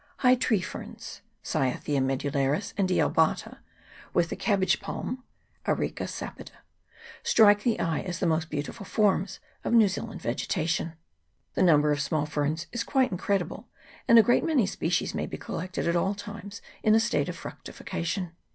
High tree ferns, 7 with the cabbage palm, 8 strike the eye as the most beautiful forms of New Zealand vegeta tion. The number of small ferns is quite incredible, and a great many species may be collected at all times in a state of fructification.